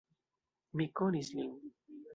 Mi konis lin.